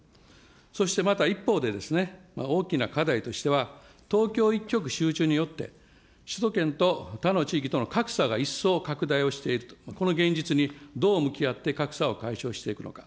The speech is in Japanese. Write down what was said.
そしてまた一方で、大きな課題としては、東京一極集中によって、首都圏と他の地域との格差が一層拡大をしていると、この現実にどう向き合って、格差を解消していくのか。